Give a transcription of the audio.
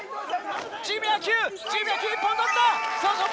チーム野球チーム野球１本取った！